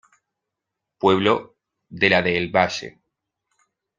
Pueblo de la de El Valle.